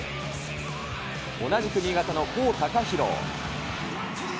同じく新潟の高宇洋。